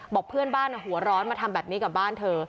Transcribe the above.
บอกเพื่อนบ้านหัวร้อนมาทำแบบนี้กับบ้านเธอ